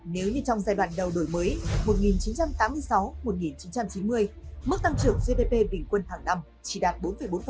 nếu như trong giai đoạn đầu đổi mới mức tăng trưởng gdp bình quân hàng năm chỉ đạt bốn bốn